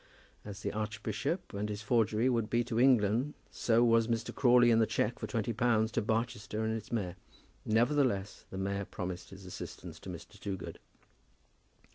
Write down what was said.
As the archbishop and his forgery would be to England, so was Mr. Crawley and the cheque for twenty pounds to Barchester and its mayor. Nevertheless, the mayor promised his assistance to Mr. Toogood.